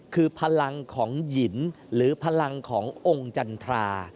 คือพลังของหยินหรือพลังขององค์จันทรา